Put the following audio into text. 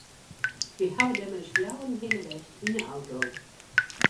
We hawwe dêr mei ús fjouweren hinne west yn de auto.